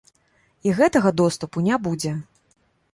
І гэтага доступу не будзе.